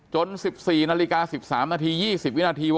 ๑๔นาฬิกา๑๓นาที๒๐วินาที